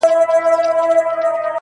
هم په لوبو هم په ټال کي پهلوانه!!